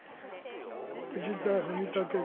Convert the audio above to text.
藤田文武君。